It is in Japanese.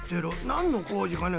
なんのこうじかな？